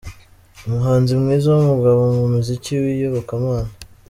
Umuhanzi mwiza w’umugabo mu muziki w’Iyobokamana.